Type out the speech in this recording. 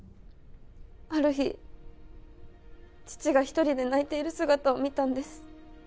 ある日父が一人で泣いている姿を見たんです